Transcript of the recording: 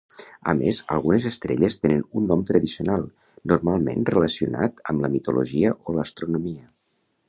A més algunes estrelles tenen un nom tradicional, normalment relacionat amb la mitologia o l'astronomia.